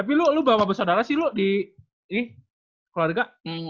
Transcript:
tapi lu berapa bersaudara sih lu di keluarga